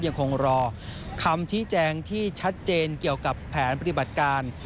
ยังคงรอคำชี้แจงที่ชัดเจนเกี่ยวกับแผนปฏิบัติการ